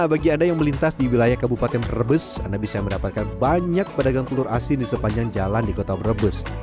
bagi anda yang melintas di wilayah kabupaten brebes anda bisa mendapatkan banyak pedagang telur asin di sepanjang jalan di kota brebes